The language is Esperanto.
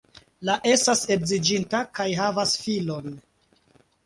La estas edziĝinta kaj havas filon.